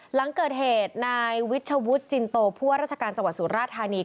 หลังเกิดเหตุนายวิชวุฒิจินโตผู้ว่าราชการจังหวัดสุราธานี